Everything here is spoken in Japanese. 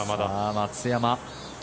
松山。